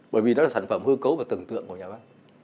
bởi vì đó là sản phẩm hư cấu và tưởng tượng của nhà văn